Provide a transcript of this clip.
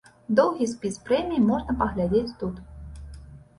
Доўгі спіс прэміі можна паглядзець тут.